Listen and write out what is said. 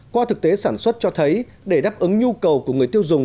qua thực tế sản xuất cho thấy để đáp ứng nhu cầu của người tiêu dùng